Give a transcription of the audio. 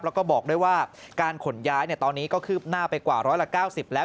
แล้วก็บอกด้วยว่าการขนย้ายตอนนี้ก็คืบหน้าไปกว่าร้อยละ๙๐แล้ว